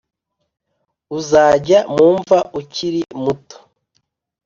Uzajya mu mva ukiri muto